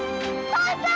父ちゃん！